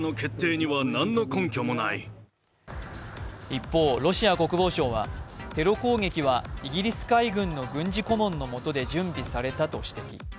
一方ロシア国防省はテロ攻撃はイギリス海軍の軍事顧問のもとで準備されたと指摘。